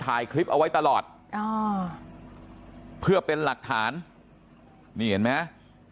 ถ่ายคลิปเอาไว้ตลอดอ๋อเพื่อเป็นหลักฐานนี่เห็นไหม